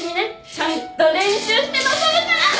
ちゃんと練習して臨むから！